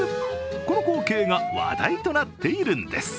この光景が話題となっているんです。